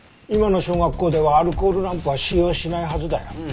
今の小学校ではアルコールランプは使用しないはずだよ。